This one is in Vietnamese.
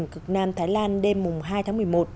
cực nam thái lan đêm hai tháng một mươi một